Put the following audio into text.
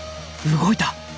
動いた！